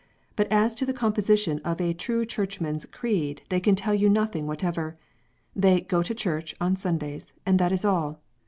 But as to the composition of a "true Churchman s" creed, they can tell you nothing whatever. They "go to church" on Sundays; and that is all.